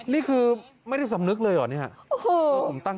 นี่คือไม่ได้สำนึกเลยเหรอเนี่ย